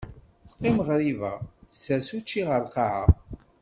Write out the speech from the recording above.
Teqim ɣriba, tessers učči ɣer lqaɛa.